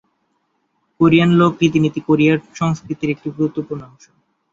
Korean লোক রীতিনীতি Korean সংস্কৃতির একটি গুরুত্বপূর্ণ অংশ।